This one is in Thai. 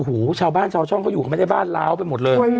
โอ้โหชาวบ้านชาวช่องเขาอยู่กันไม่ได้บ้านล้าวไปหมดเลย